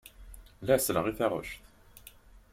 La selleɣ i taɣect.